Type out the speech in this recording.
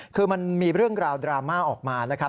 คือมันมีเรื่องราวดราม่าออกมานะครับ